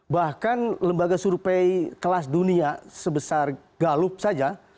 bahkan lembaga survei kelas dunia sebesar galup saja